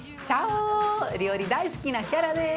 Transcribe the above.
料理大好きなキアラです。